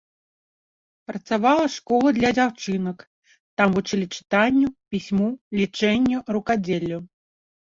Працавала школа для дзяўчынак, там вучылі чытанню, пісьму, лічэнню, рукадзеллю.